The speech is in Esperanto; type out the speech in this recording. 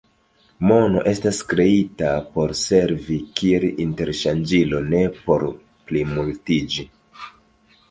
Mono estas kreita por servi kiel interŝanĝilo, ne por plimultiĝi.